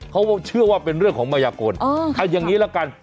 เขาเชื่อว่าเป็นเรื่องของมายากลเอาอย่างนี้ละกัน